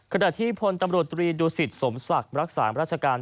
ขณะที่พลตำรวจตรีดูสิตสมศักดิ์รักษาราชการ